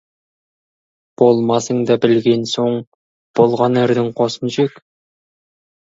Болмасыңды білген соң, болған ердің қосын жек.